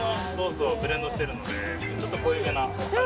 ちょっと濃いめな感じな。